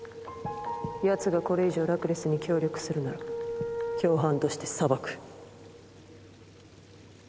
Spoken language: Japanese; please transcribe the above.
やつがこれ以上ラクレスに協力するなら共犯として裁く。